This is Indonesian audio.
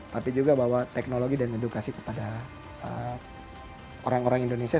tapi juga bahwa teknologi dan edukasi kepada orang orang indonesia